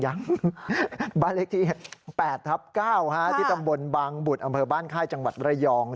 ยังบ้านเลขที่๘ทับ๙ที่ตำบลบางบุตรอำเภอบ้านค่ายจังหวัดระยอง